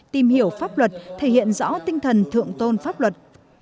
tìm hiểu pháp luật thể hiện rõ tinh thần thượng tôn pháp luật